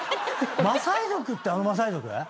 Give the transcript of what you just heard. マサイ族ってあのマサイ族⁉